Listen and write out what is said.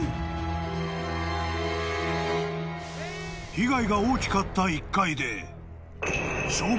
［被害が大きかった１階で消防士が］